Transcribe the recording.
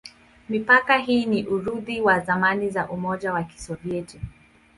Mipaka hii ni urithi wa zamani za Umoja wa Kisovyeti.